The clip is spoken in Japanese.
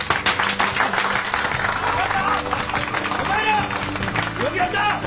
お前らよくやった！